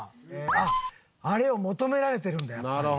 あっあれを求められてるんだやっぱり。